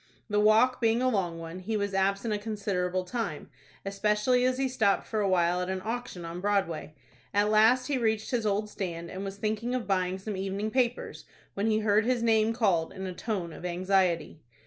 The walk being a long one, he was absent a considerable time, especially as he stopped for a while at an auction on Broadway. At last he reached his old stand, and was thinking of buying some evening papers, when he heard his name called in a tone of anxiety.